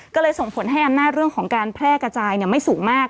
ก็เลยส่งผลให้อำนาจเรื่องของการแพร่กระจายไม่สูงมาก